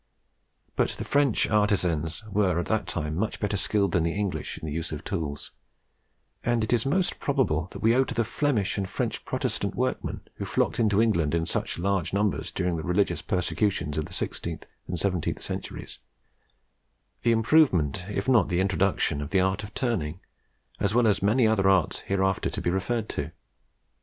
But the French artisans were at that time much better skilled than the English in the use of tools, and it is most probable that we owe to the Flemish and French Protestant workmen who flocked into England in such large numbers during the religious persecutions of the sixteenth and seventeenth centuries, the improvement, if not the introduction, of the art of turning, as well as many other arts hereafter to be referred to.